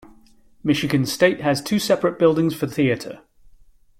Michigan State has two separate buildings for theatre.